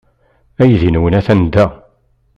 Aydi-nwen atan da.